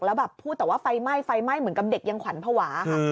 แล้วแบบพูดแต่ว่าไฟไหม้ไฟไหม้เหมือนกับเด็กยังขวัญภาวะค่ะ